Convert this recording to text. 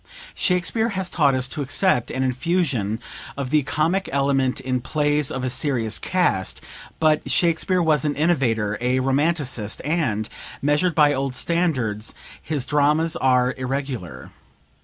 ["Shakespeare has taught us to accept an infusion of the comic element in plays of a serious cast; but Shakespeare was an innovator, a Romanticist, and, measured by old standards, his dramas are irregular.